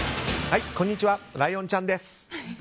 こんにちはライオンちゃんです。